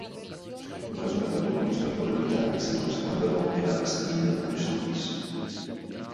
Un caso che ha fatto molto scalpore in Italia è stato lo scandalo dell'Avastin-Lucentis.